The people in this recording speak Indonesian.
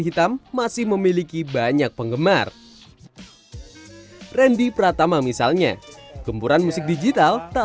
hitam masih memiliki banyak penggemar randy pratama misalnya gempuran musik digital tak